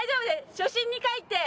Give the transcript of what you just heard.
初心に返って。